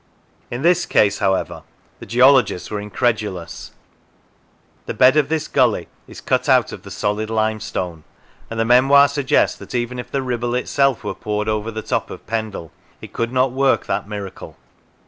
In this case, however, the geologists were incredulous. The bed of this gully is cut out of the solid limestone, and the memoir suggests that even if the Ribble itself were poured over the top of Pendle it could not work that miracle.